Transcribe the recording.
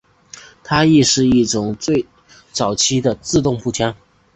它亦是一种早期的自动步枪。